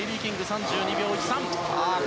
３２秒１３。